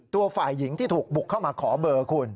ตัวฝ่ายหญิงที่ถูกบุกเข้ามาขอเบอร์คุณ